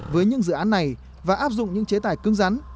với những dự án này và áp dụng những chế tài cưng rắn